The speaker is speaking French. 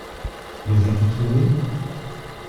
Les as-tu trouvés ?